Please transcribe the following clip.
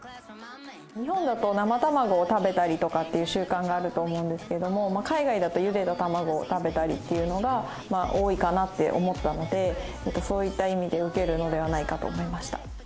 日本だと生卵を食べたりとかっていう習慣があると思うんですけども海外だとゆでた卵を食べたりっていうのが多いかなって思ったのでそういった意味でウケるのではないかと思いました。